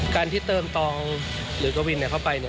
การที่เติมตองหรือกวินเข้าไป